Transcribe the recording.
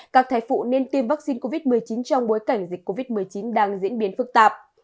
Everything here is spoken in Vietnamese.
các thai phụ nên tiêm vaccine covid một mươi chín trong bối cảnh dịch covid một mươi chín đang diễn biến phức tạp